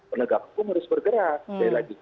penegak hukum harus bergerak